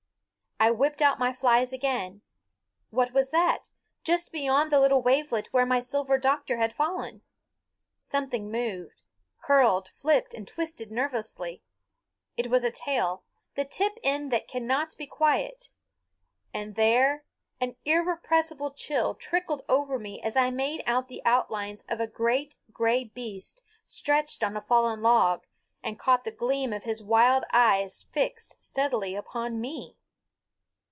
I whipped out my flies again. What was that, just beyond the little wavelet where my Silver Doctor had fallen? Something moved, curled, flipped and twisted nervously. It was a tail, the tip end that cannot be quiet. And there an irrepressible chill trickled over me as I made out the outlines of a great gray beast stretched on a fallen log, and caught the gleam of his wild eyes fixed steadily upon me.